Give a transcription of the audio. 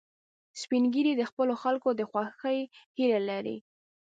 سپین ږیری د خپلو خلکو د خوښۍ هیله لري